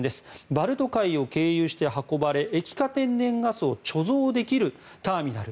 バルト海を経由して運ばれ液化天然ガスを貯蔵できるターミナル